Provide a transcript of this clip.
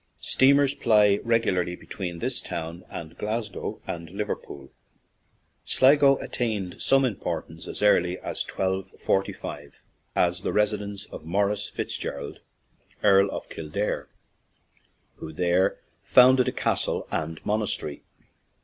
Steamers ply regularly between this town and Glasgow and Liverpool. 65 ON AN IRISH JAUNTING CAR Sligo attained some importance as early as 1245 as the residence of Maurice Fitz Gerald, Earl of Kildare, who there found ed a castle and monastery.